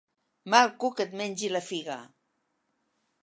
Mal cuc et mengi la figa!